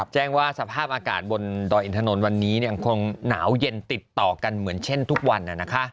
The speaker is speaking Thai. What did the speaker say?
แจ้งว่าสภาพอากาศบนดอยอินถนนวันนี้ยังคงหนาวเย็นติดต่อกันเหมือนเช่นทุกวัน